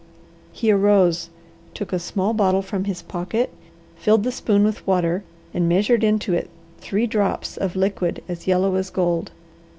He arose, took a small bottle from his pocket, filled the spoon with water, and measured into it three drops of liquid as yellow as gold.